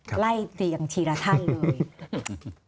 อ้าวไล่เตียงทีละท่านเลย